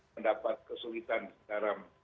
mendapat kesulitan dalam